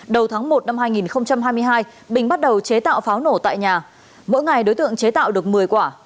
đầu tháng một năm hai nghìn hai mươi hai bình bắt đầu chế tạo pháo nổ tại nhà mỗi ngày đối tượng chế tạo được một mươi quả